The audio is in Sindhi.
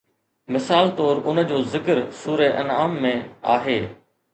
مثال طور ان جو ذڪر سوره انعام ۾ آهي